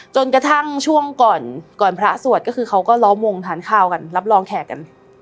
จนกระทั่งช่วงก่อนพระสวดก็คือเขาก็ล้อมวงทานข้าวกันรับรองแขกกัน